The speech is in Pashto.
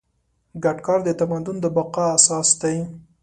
ګډ کار د تمدن د بقا اساس دی.